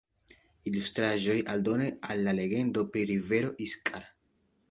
Ilustraĵo aldone al la legendo pri rivero Iskar.